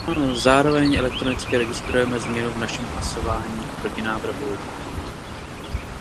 Zároveň elektronicky registrujeme změnu v našem hlasování k protinávrhu.